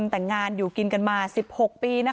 เพราะไม่เคยถามลูกสาวนะว่าไปทำธุรกิจแบบไหนอะไรยังไง